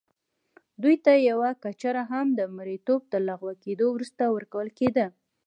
دوی ته یوه کچره هم د مریتوب تر لغوه کېدو وروسته ورکول کېده.